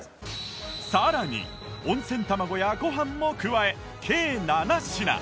さらに温泉卵やご飯も加え計７品